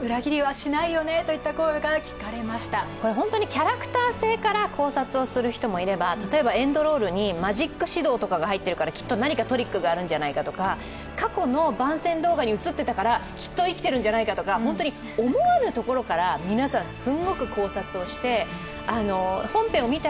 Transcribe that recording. キャラクター性から考察をする人もいれば例えばエンドロールにマジック指導とかがあるからきっと何かトリックがあるんじゃないかとか過去の番宣動画に映っていたからきっと生きているんじゃないかとか、本当に思わぬところから皆さん、すごく考察をして本編を見た